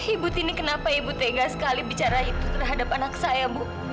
ibu tini kenapa ibu tega sekali bicara itu terhadap anak saya bu